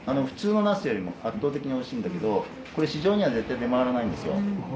普通のナスよりも圧倒的においしいんだけどこれ市場には絶対出回らないんですよ。